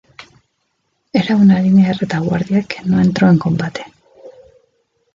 Era una línea de retaguardia que no entró en combate.